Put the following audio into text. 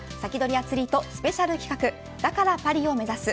アツリートスペシャル企画だからパリを目指す！